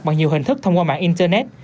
bằng nhiều hình thức thông qua mạng internet